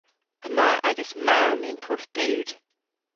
Yma agas mamm yn Porthbud.